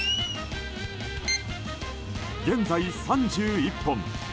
現在３１本。